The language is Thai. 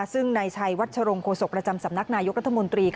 ซึ่งนายชัยวัชรงโฆษกประจำสำนักนายกรัฐมนตรี